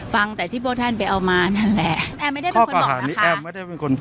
ฟังแต่ที่พวกท่านไปเอามานั่นแหละแอบไม่ได้เป็นคนบอกนะคะแอบไม่ได้เป็นคนพูด